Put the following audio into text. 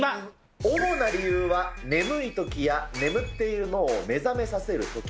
主な理由は、眠いときや眠っている脳を目覚めさせるとき。